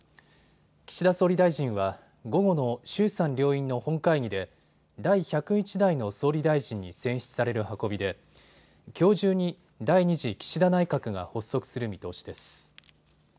岸田総理大臣は午後の衆参両院の本会議で第１０１代の総理大臣に選出される運びできょう中に第２次岸田内閣が発足する見通しです。